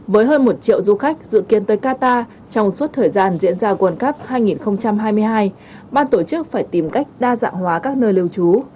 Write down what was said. với hơn một triệu du khách dự kiến tới qatar trong suốt thời gian diễn ra world cup hai nghìn hai mươi hai ban tổ chức phải tìm cách đa dạng hóa các nơi lưu trú